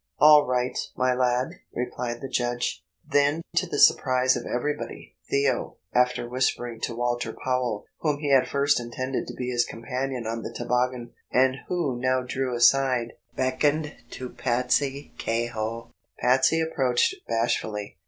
"All right, my lad," replied the judge. Then, to the surprise of everybody, Theo, after whispering to Walter Powell, whom he had first intended to be his companion on the toboggan, and who now drew aside, beckoned to Patsey Kehoe. Patsy approached bashfully.